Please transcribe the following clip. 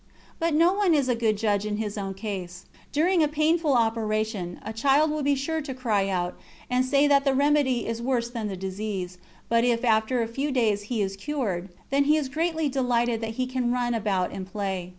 But no one is a good judge in his own case. During a painful operation a child will be sure to cry out and say that the remedy is worse than the disease; but if after a few days he is cured, then he is greatly delighted that he can run about and play.